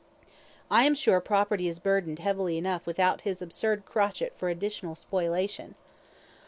I am sure property is burdened heavily enough without this absurd crotchet for additional spoliation.